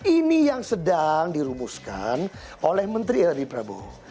ini yang sedang dirumuskan oleh menteri edi prabowo